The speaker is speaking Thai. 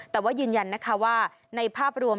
แต่ว่ายืนยันนะคะว่าในภาพรวม